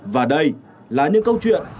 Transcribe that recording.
và đây là những câu chuyện